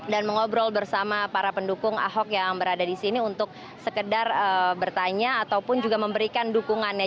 dan mengobrol bersama para pendukung ahok yang berada di sini untuk sekedar bertanya ataupun juga memberikan dukungannya